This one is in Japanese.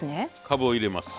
かぶを入れます。